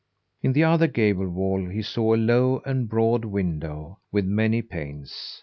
In the other gable wall he saw a low and broad window with many panes.